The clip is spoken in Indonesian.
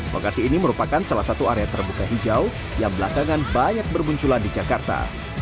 bekasi ini merupakan salah satu area terbuka hijau yang belakangan banyak bermunculan di jakarta